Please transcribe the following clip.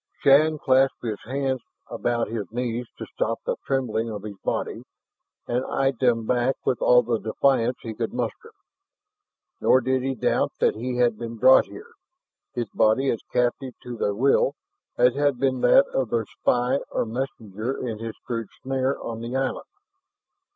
Shann clasped his hands about his knees to still the trembling of his body, and eyed them back with all the defiance he could muster. Nor did he doubt that he had been brought here, his body as captive to their will, as had been that of their spy or messenger in his crude snare on the island.